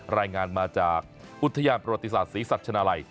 รายงานมาจากอุทยานประวัติศาสตร์ศรีสัชนาลัย